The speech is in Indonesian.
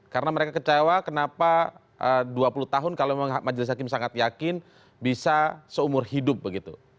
karena mereka kecewa kenapa dua puluh tahun kalau memang majelis hakim sangat yakin bisa seumur hidup begitu